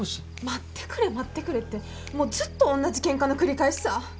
待ってくれ待ってくれってもうずっと同じケンカの繰り返しさ。